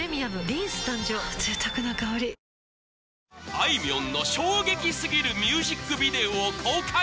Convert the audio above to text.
あいみょんの衝撃すぎるミュージックビデオを公開！